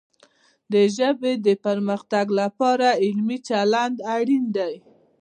د ژبې د پرمختګ لپاره علمي چلند اړین دی.